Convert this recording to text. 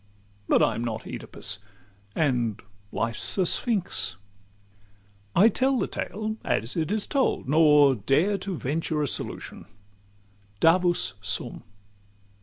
But I'm not Oedipus, and life's a Sphinx. XIII I tell the tale as it is told, nor dare To venture a solution: "Davus sum!"